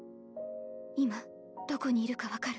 今どこにいるか分かる？